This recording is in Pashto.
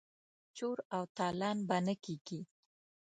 چور او تالان به نه کیږي.